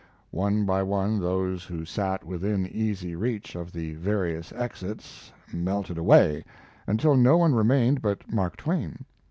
One by one those who sat within easy reach of the various exits melted away, until no one remained but Mark Twain.